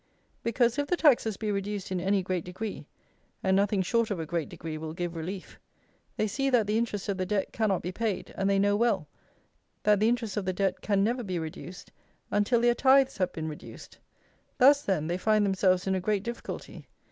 Because, if the taxes be reduced in any great degree (and nothing short of a great degree will give relief), they see that the interest of the Debt cannot be paid; and they know well, that the interest of the Debt can never be reduced, until their tithes have been reduced. Thus, then, they find themselves in a great difficulty.